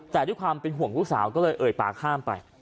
แต่ด้วยความเป็นห่วงลูกสาวก็เลยเอ่ยปากข้ามไป